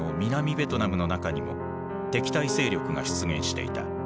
ベトナムの中にも敵対勢力が出現していた。